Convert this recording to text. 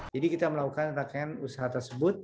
jadi kita melakukan rakanan usaha tersebut